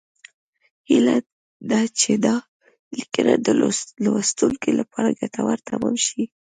هیله ده چې دا لیکنه د لوستونکو لپاره ګټوره تمامه شي